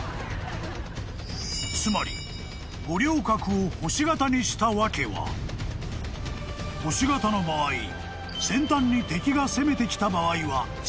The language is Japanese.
［つまり五稜郭を星形にした訳は星形の場合先端に敵が攻めてきた場合は３方向］